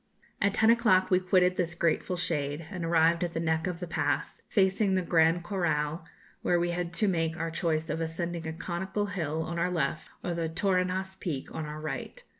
At ten o'clock we quitted this grateful shade, and arrived at the neck of the pass, facing the Gran Corral, where we had to make our choice of ascending a conical hill, on our left, or the Torrinhas Peak, on our right.